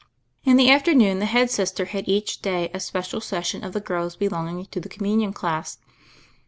In the afternoon the Head Sister had each day a special session of the girls belonging to the Communion class.